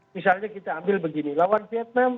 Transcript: misalnya kita ambil begini lawan vietnam